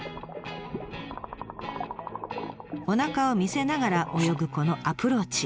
おなかを見せながら泳ぐこのアプローチ。